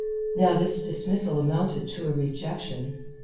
Now this dismissal amounted to a rejection.